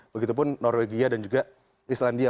begitu pun norwegia dan juga islandia